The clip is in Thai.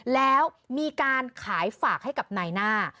แล้วมีการขายฝากให้กับนายหน้า